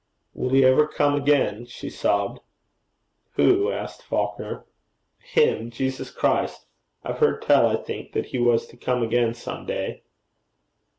'Will he ever come again?' she sobbed. 'Who?' asked Falconer. 'Him Jesus Christ. I've heard tell, I think, that he was to come again some day.'